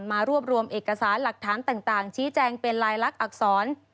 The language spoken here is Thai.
มารวบรวมเอกสารหลักฐานต่างชี้แจงเป็นลายลักษณอักษร